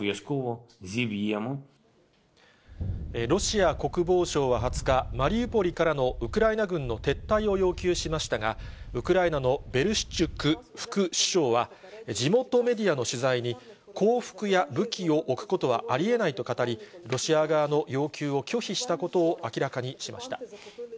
ロシア国防省は２０日、マリウポリからのウクライナ軍の撤退を要求しましたが、ウクライナのベレシュチュク副首相は地元メディアの取材に、降伏や武器を置くことはありえないと語り、ロシア側の要求を拒否したことを明らかにしました。